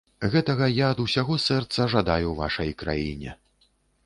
Гэтага я ад усяго сэрца жадаю вашай краіне.